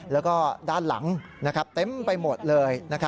แล้วก็ด้านหลังเต็มไปหมดเลย